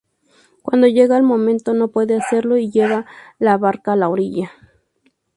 Cuando llega el momento no puede hacerlo y lleva la barca a la orilla.